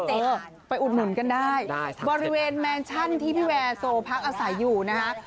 เออไปอุดหนุนกันได้บริเวณแมนชั่นที่พี่แวร์โซพักอาศัยอยู่นะฮะ